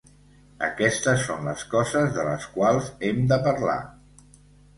Aquestes són les coses de les quals hem de parlar.